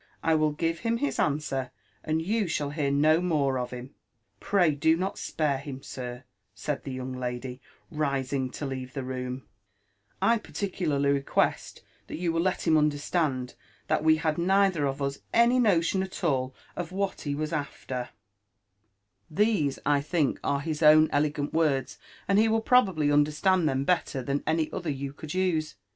I will give him his answer, and you shall hear no more of him." Pray do not spare him, sir," said the young lady, rising to leave the room; " I particularly request that you will let him understand that we had peilher of us any ' notion at all of what he was after/ 15 880 LIFE AND ADVENTURES OF Theee, I t^ink, are hts own elegant words, and he will probably un derstand tbem better than any other you could use."